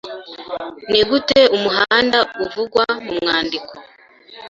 Ni gute umuhanda uvugwa mu mwandiko